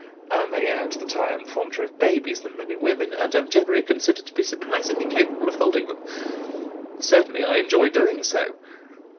I may add that I am fonder of babies than many women, and am generally considered to be surprisingly capable of holding them! Certainly I enjoy doing so.